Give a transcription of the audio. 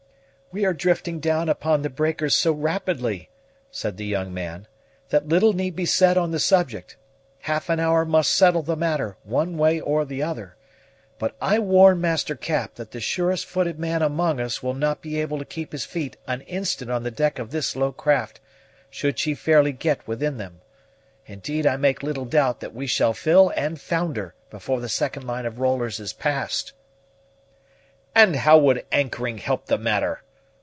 "We are drifting down upon the breakers so rapidly," said the young man, "that little need be said on the subject. Half an hour must settle the matter, one way or the other; but I warn Master Cap that the surest footed man among us will not be able to keep his feet an instant on the deck of this low craft, should she fairly get within them. Indeed I make little doubt that we shall fill and founder before the second line of rollers is passed." "And how would anchoring help the matter?"